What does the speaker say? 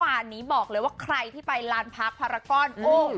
วันนี้บอกเลยว่าใครที่ไปลานพักพารากร